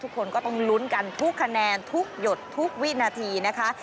ทุกคนก็ต้องลุ้นกันทุกคะแนนทุกหยดทุกวินาทีนะคะ